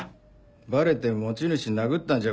バレて持ち主殴ったんじゃ